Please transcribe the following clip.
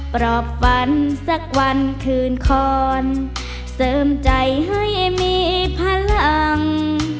รอบฝันสักวันคืนคอนเสริมใจให้มีพลัง